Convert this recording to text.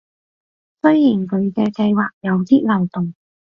雖然佢嘅計畫有啲漏洞